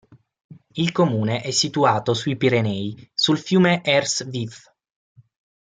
Il comune è situato sui Pirenei sul fiume Hers-Vif.